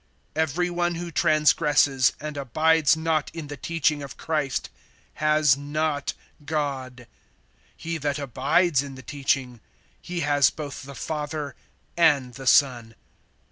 (9)Every one who transgresses, and abides not[1:8] in the teaching of Christ, has not God. He that abides in the teaching, he has both the Father and the Son.